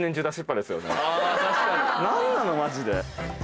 何なのマジで。